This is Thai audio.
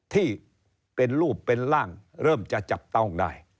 ที่เป็นรูปเป็นร่างเริ่มจะจับต้องได้